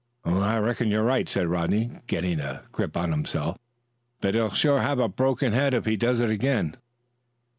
"I reckon you're right," said Rodney, getting a grip on himself; "but he'll sure have a broken head if he does it again."